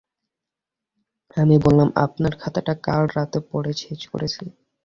আমি বললাম, আপনার খাতাটা কাল রাতে পড়ে শেষ করেছি।